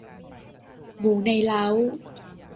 หมูในเล้า